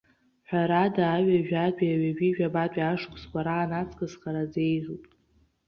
Ҳәарада, аҩажәатәи аҩажәижәабатәи ашықәсқәа раан аҵкыс хараӡа еиӷьуп.